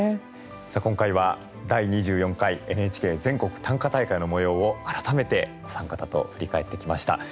さあ今回は第２４回ＮＨＫ全国短歌大会のもようを改めてお三方と振り返ってきました。